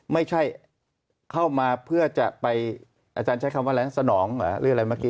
ไม่ใช่เข้ามาเพื่อจะไปอาจารย์ใช้คำว่าแรงสนองเหรอหรืออะไรเมื่อกี้